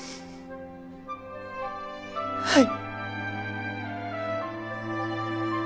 はい！